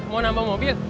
mau nambah mobil